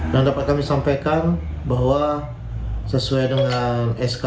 dan dapat kami sampaikan bahwa sesuai dengan skri